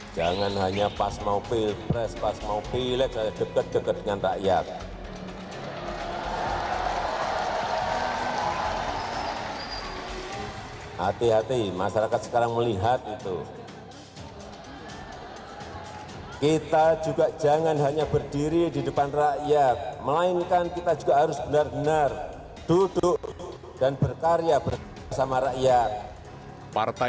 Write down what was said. jangan hanya pas mobil pres pas mobil lihat saya dekat dekat dengan rakyat